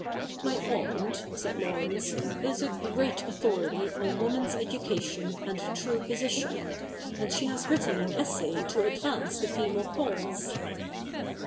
' My aunt,' said Laurence, ' is a great authority on woman's education and true position ; and she has written an essay to advance the female cause.'